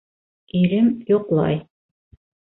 Ирем йоҡлай.